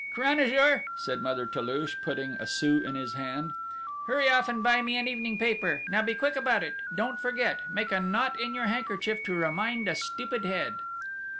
"Cranajour," said Mother Toulouche, putting a sou in his hand, "hurry off and buy me an evening paper! Now be quick about it!... Don't forget.... Make a knot in your handkerchief to remind a stupid head!"